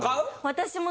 私も。